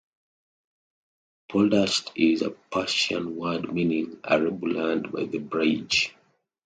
Poldasht is a Persian word meaning "arable land by the bridge".